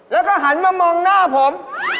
แล้วก็หันมามองหน้าผม